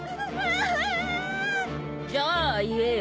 じゃあ言えよ。